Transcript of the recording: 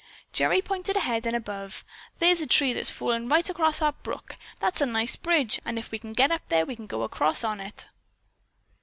Gerry pointed ahead and above. "There's a tree that has fallen right across our brook. That's a nice bridge and if we can get up there we can go across on it."